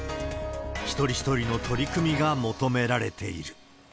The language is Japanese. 一人一人の取り組みが求められている。